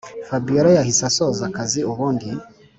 fabiora yahise asoza akazi ubundi